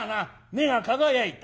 目が輝いた。